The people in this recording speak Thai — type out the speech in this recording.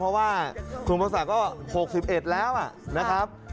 เพราะว่าคุณภาษาก็๖๑แล้วนะครับ